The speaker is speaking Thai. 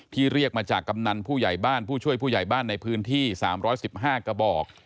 เรียกมาจากกำนันผู้ใหญ่บ้านผู้ช่วยผู้ใหญ่บ้านในพื้นที่๓๑๕กระบอก